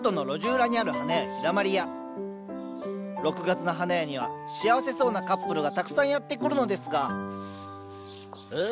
６月の花屋には幸せそうなカップルがたくさんやって来るのですが・おう。